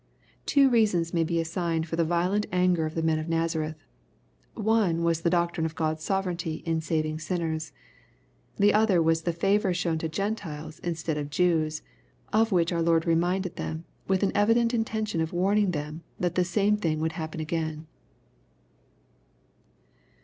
] Two reasons may be assigned for the violent anger of the men of Nazareth. One was the doctrine of God's sovereignty in saving sinners. The other was the favor shown to G^entiles instead of Jews, of which our Lord reminded them, with an evident intention of warning them that the same thing would happen again.